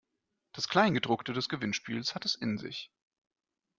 Das Kleingedruckte des Gewinnspiels hat es in sich.